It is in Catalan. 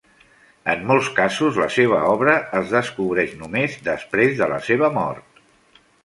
En molts casos, la seva obra es descobreix només després de la seva mort.